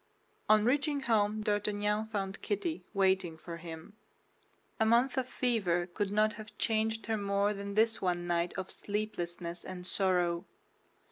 On reaching home D'Artagnan found Kitty waiting for him. A month of fever could not have changed her more than this one night of sleeplessness and sorrow.